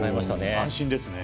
安心ですね！